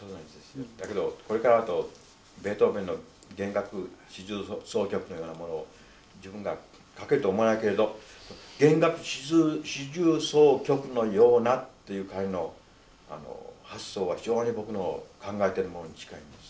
だけどこれからあとベートーベンの弦楽四重奏曲のようなものを自分が書けると思わないけれど弦楽四重奏曲のようなっていう彼の発想は非常に僕の考えてるものに近いんです。